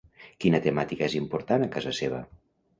Quina temàtica és important a casa seva?